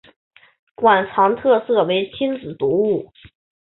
馆藏特色为亲子读物。